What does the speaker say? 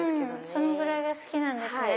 そのぐらいが好きなんですね。